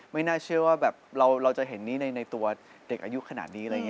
ไม่น่าเชื่อว่าเราจะเห็นในตัวเด็กอายุขนาดนี้